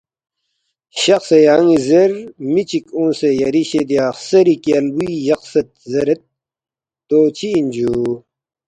شخسے یان٘ی زیر، می چِک اونگسے یری شِدیا خسیری کیالبُوی یقسید زیرید دو چِہ اِن جُو؟